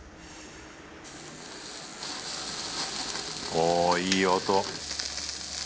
おいい音。